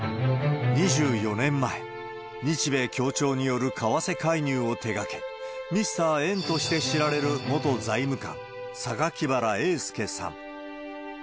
２４年前、日米協調による為替介入を手がけ、ミスター円として知られる元財務官、榊原英資さん。